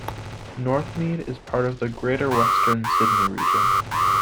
Northmead is part of the Greater Western Sydney region.